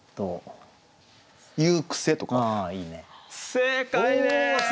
正解です！